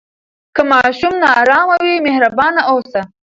که ماشوم نارامه وي، مهربان اوسه.